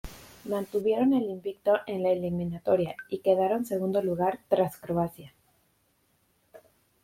Mantuvieron el invicto en la eliminatoria, y quedaron en segundo lugar tras Croacia.